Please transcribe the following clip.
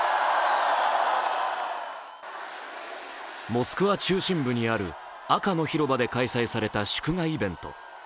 モスクワ中心部にある赤の広場で開催された祝賀イベント。